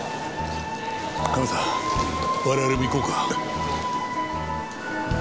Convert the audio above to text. カメさん我々も行こうか。